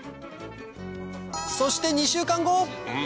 そして２週間後！